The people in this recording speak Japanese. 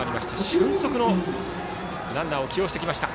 俊足のランナーを起用してきました。